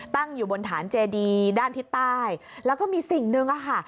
ตั้งอยู่บนฐานเจดีด้านทิศใต้แล้วก็มีสิ่งหนึ่งอะค่ะ